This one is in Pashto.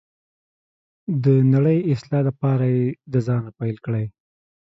د نړۍ اصلاح لپاره یې د ځانه پیل کړئ.